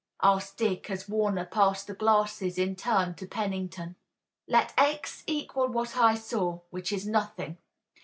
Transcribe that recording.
asked Dick as Warner passed the glasses in turn to Pennington. "Let x equal what I saw, which is nothing.